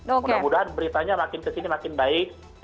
mudah mudahan beritanya makin kesini makin baik